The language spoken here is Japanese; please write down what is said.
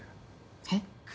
えっ？